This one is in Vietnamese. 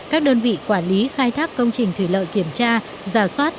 các đơn vị quản lý khai thác công trình thủy lợi kiểm tra giả soát